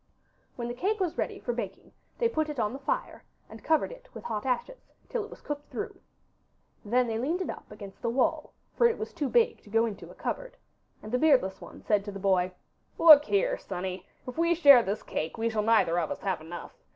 When the cake was ready for baking they put it on the fire, and covered it with hot ashes, till it was cooked through. Then they leaned it up against the wall, for it was too big to go into a cupboard, and the beardless one said to the boy: 'Look here, sonny: if we share this cake we shall neither of us have enough.